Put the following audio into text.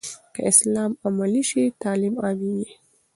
که اسلام عملي سي، تعلیم عامېږي.